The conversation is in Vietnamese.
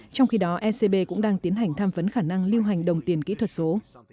trong khi đó ecb cũng đang tiến hành tham vấn khả năng lưu hành đồng tiền kỹ thuật số